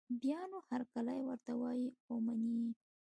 بیا نو هرکلی ورته وايي او مني یې